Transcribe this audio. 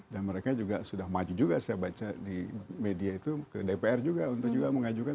dan mereka juga sudah maju juga saya baca di media itu ke dpr juga untuk juga mengajukan